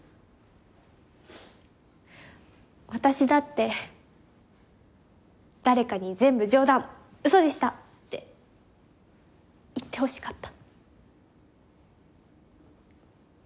私だって誰かに「全部冗談ウソでした」って言ってほしかった。